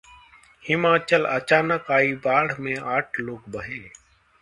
हिमाचल: अचानक आयी बाढ़ में आठ लोग बहे